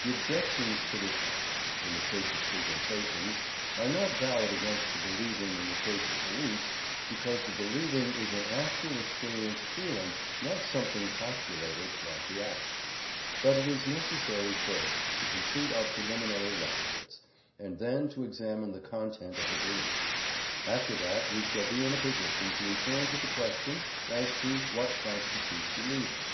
The objections to the act (in the case of presentations) are not valid against the believing in the case of beliefs, because the believing is an actual experienced feeling, not something postulated, like the act. But it is necessary first to complete our preliminary requisites, and then to examine the content of a belief. After that, we shall be in a position to return to the question as to what constitutes believing.